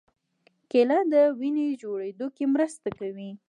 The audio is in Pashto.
کېله د وینې جوړېدو کې مرسته کوي.